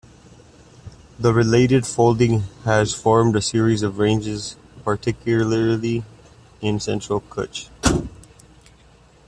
The related folding has formed a series of ranges, particularly in central Kutch.